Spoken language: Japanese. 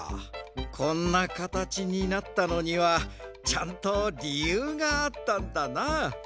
こんなかたちになったのにはちゃんとりゆうがあったんだな。